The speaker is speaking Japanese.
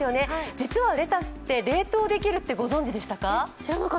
実はレタスって冷凍できるってご存じでしたか？